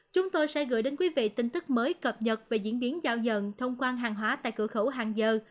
chúng tôi sẽ gửi đến quý vị tin tức mới cập nhật về diễn biến giao nhận thông quan hàng hóa tại cửa khẩu hàng dơ